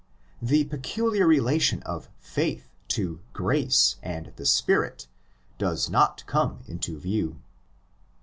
The peculiar relation of '' faith' to '' grace" and '' the Spirit" does not come into view.